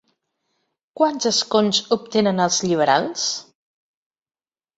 Quants escons obtenen els liberals?